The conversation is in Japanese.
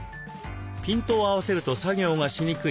ピントを合わせると作業がしにくい。